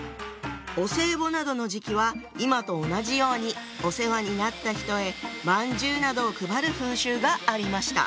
お歳暮などの時期は今と同じようにお世話になった人へまんじゅうなどを配る風習がありました。